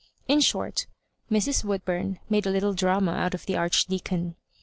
In short, Mrs. Woodbum made a little drama out of the Arch deacon.